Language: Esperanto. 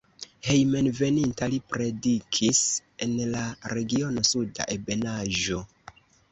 Hejmenveninta li predikis en la regiono Suda Ebenaĵo.